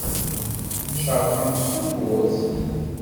Tcerrqemt tawwurt.